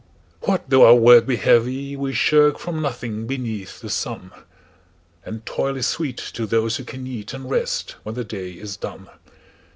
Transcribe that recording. What though our work he heavy, we shirkFrom nothing beneath the sun; And toil is sweet to those who can eatAnd rest when the day is done.